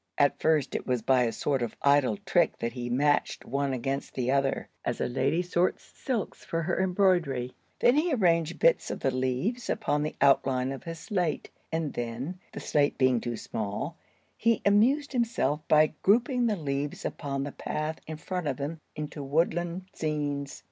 At first it was by a sort of idle trick that he matched one against the other, as a lady sorts silks for her embroidery; then he arranged bits of the leaves upon the outline on his slate, and then, the slate being too small, he amused himself by grouping the leaves upon the path in front of him into woodland scenes.